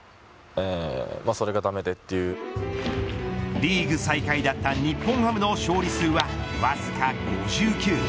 リーグ最下位だった日本ハムの勝利数はわずか５９。